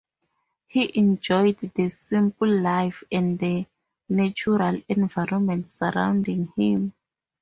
He enjoyed the simple life and the natural environment surrounding him.